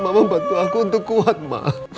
mama bantu aku untuk kuat ma